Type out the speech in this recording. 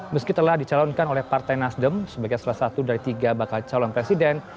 meski telah dicalonkan oleh partai nasdem sebagai salah satu dari tiga bakal calon presiden